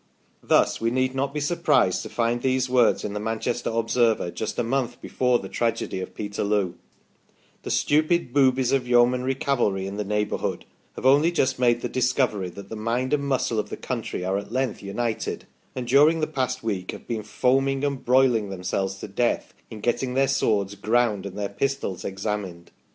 Thus we need not be surprised to find these words in the " Manchester Observer " just a month before the tragedy of Peterloo :' The stupid boobies of yeomanry cavalry in the neighbourhood have only just made the discovery that the mind and muscle of the country are at length united, and during the past week have been foaming and broiling themselves to death in getting their swords ground and their pistols examined.